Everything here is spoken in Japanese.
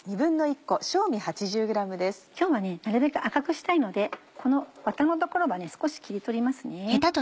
今日はなるべく赤くしたいのでこのワタの所は少し切り取りますね。